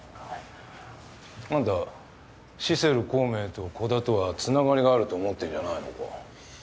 あんたシセル光明と鼓田とは繋がりがあると思ってるんじゃないのか？